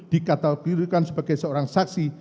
dikategorikan sebagai seorang saksi